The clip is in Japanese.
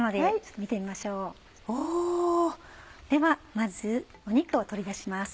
まず肉を取り出します。